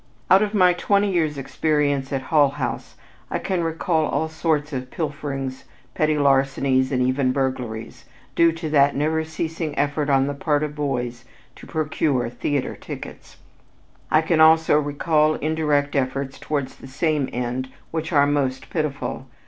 Out of my twenty years' experience at Hull House I can recall all sorts of pilferings, petty larcenies, and even burglaries, due to that never ceasing effort on the part of boys to procure theater tickets. I can also recall indirect efforts towards the same end which are most pitiful.